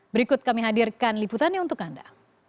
berikut kami hadirkan liputannya untuk anda